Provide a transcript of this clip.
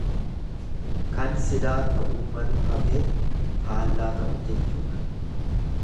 Kan silaa ta'uu malu hafee faallaa ta'uu jechuudha.